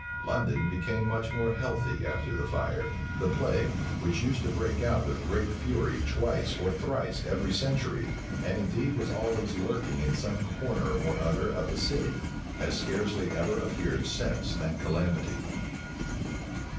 London became much more healthy after the fire. The plague, which used to break out with great fury twice or thrice every century, and indeed was always lurking in some corner or other of the city, has scarcely ever appeared since that calamity.